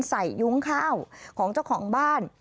ยุ้งข้าวของเจ้าของบ้าน